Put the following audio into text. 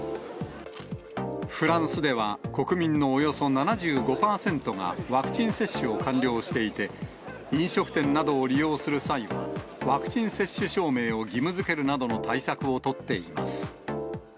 フランスでは国民のおよそ７５％がワクチン接種を完了していて、飲食店などを利用する際は、ワクチン接種証明を義務づけるなどの対策を取っています。